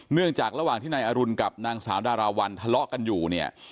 เนื่องจากระหว่างที่นายอรุณกับนางสาวดาราวันทะเลาะกันอยู่เนี่ย